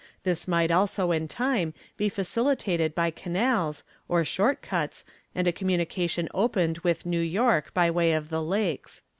This might also in time be facilitated by canals, or short cuts, and a communication opened with New York by way of the Lakes."